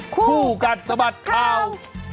คู่กันสบัดทาว